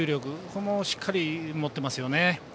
これもしっかり持っていますよね。